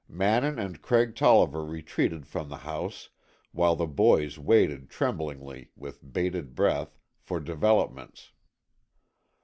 Mannin and Craig Tolliver retreated from the house, while the boys waited tremblingly, with bated breath, for developments.